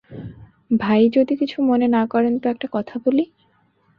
ভাই যদি কিছু মনে না করেন তো একটা কথা বলি?